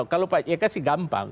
kalau pak yusuf itu gampang